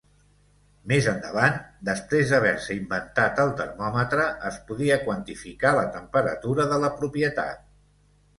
Més endavant, després d'haver-se inventat el termòmetre, es podia quantificar la temperatura de la propietat.